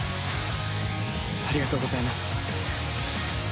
ありがとうございます。